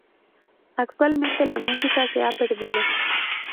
Actualmente, la música se ha perdido.